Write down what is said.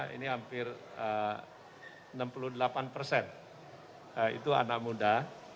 ini hampir enam puluh delapan persen itu anak muda